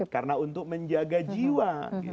karena untuk menjaga jiwa